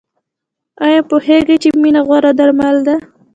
ایا پوهیږئ چې مینه غوره درمل ده؟